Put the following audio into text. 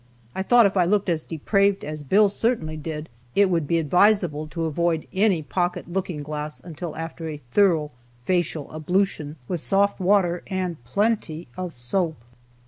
I thought if I looked as depraved as Bill certainly did it would be advisable to avoid any pocket looking glass until after a thorough facial ablution with soft water and plenty of soap.